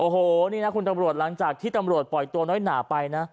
โอ้โหนี่นะคุณตำรวจหลังจากที่ตำรวจปล่อยตัวน้อยหนาไปนะ